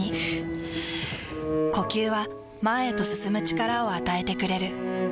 ふぅ呼吸は前へと進む力を与えてくれる。